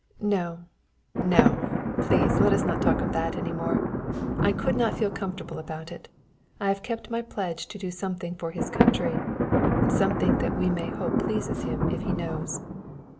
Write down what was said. "No, no! Please let us not talk of that any more. I could not feel comfortable about it. I have kept my pledge to do something for his country something that we may hope pleases him if he knows."